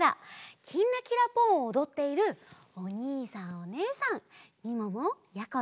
「きんらきらぽん」をおどっているおにいさんおねえさんみももやころ